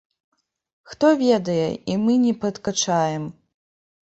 Хто ведае, і мы не падкачаем.